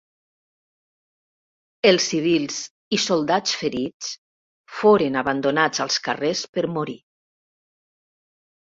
Els civils i soldats ferits foren abandonats als carrers per morir.